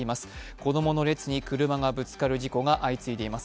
子供の列に車がぶつかる事故が相次いでいます。